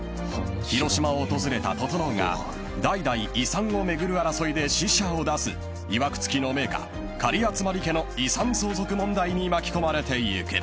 ［広島を訪れた整が代々遺産を巡る争いで死者を出すいわく付きの名家狩集家の遺産相続問題に巻き込まれてゆく］